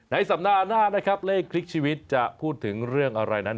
สัปดาห์หน้านะครับเลขคลิกชีวิตจะพูดถึงเรื่องอะไรนั้น